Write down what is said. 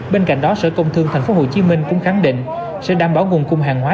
bên cạnh đó sở công thương tp hcm cũng khẳng định sẽ đảm bảo nguồn cung hàng hóa